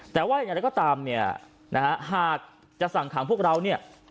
แต่ว่าอย่างไรก็ตามเนี่ยนะฮะหากจะสั่งขังพวกเราเนี่ย